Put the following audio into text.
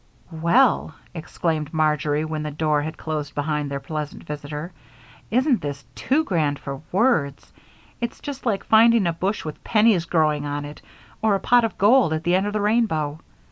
"Well," exclaimed Marjory, when the door had closed behind their pleasant visitor, "isn't this too grand for words! It's just like finding a bush with pennies growing on it, or a pot of gold at the end of the rainbow.